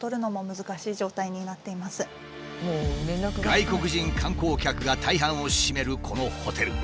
外国人観光客が大半を占めるこのホテル。